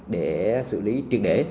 để xử lý truyền đề